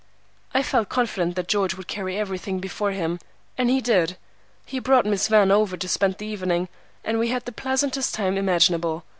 I felt confident that George would carry everything before him, and he did. He brought Miss Van over to spend the evening, and we had the pleasantest time imaginable.